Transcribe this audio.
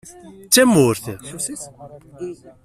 D tamurt.